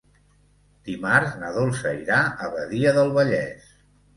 Dimarts na Dolça irà a Badia del Vallès.